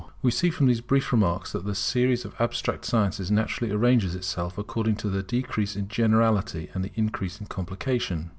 We see from these brief remarks that the series of the abstract sciences naturally arranges itself according to the decrease in generality and the increase in complication.